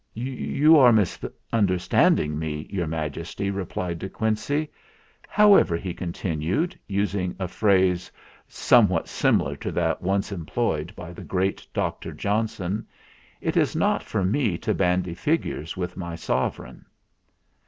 "You are misunderstanding me, Your Majesty," explained De Quincey. "How ever," he continued, using a phrase somewhat similar to that once employed by the great Dr. Johnson, "it is not for me to bandy figures with my Sovereign."